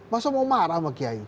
masa mau marah sama kiai